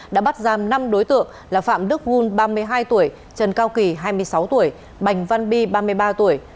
đã bắt giam năm đối tượng là phạm đức vun ba mươi hai tuổi trần cao kỳ hai mươi sáu tuổi bành văn bi ba mươi ba tuổi